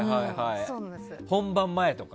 本番前とか。